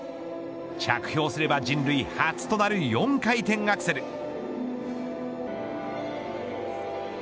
着氷すれば、人類初となる４回転アクセル。